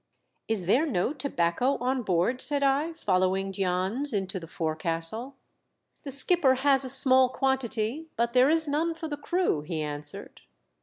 "Is there no tobacco on board?" said I, following Jans into the forecastle. "The skipper has a small quantity, but there is none for the crew," he answered.